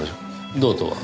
どうとは？